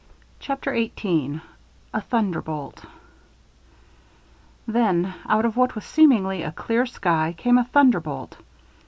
CHAPTER XVIII A THUNDERBOLT Then, out of what was seemingly a clear sky, came a thunderbolt.